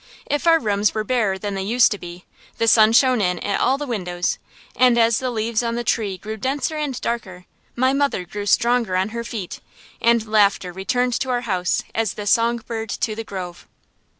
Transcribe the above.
If our rooms were barer than they used to be, the sun shone in at all the windows; and as the leaves on the trees grew denser and darker, my mother grew stronger on her feet, and laughter returned to our house as the song bird to the grove.